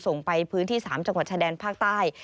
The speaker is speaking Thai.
ส่งไปพื้นที่๓จังหวัดชายแดนภาคใต้